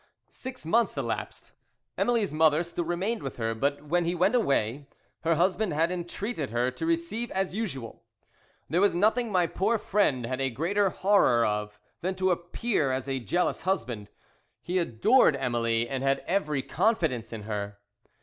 "Six months elapsed. "Emily's mother still remained with her, but when he went away, her husband had entreated her to receive as usual. There was nothing my poor friend had a greater horror of than to appear as a jealous husband. He adored Emily and had every confidence in her.